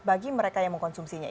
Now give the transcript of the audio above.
bagi mereka yang mengkonsumsinya